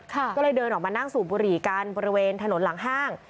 ก็เลยเดินออกมานั่งสูบบุหรี่กันบริเวณถนนหลังห้าง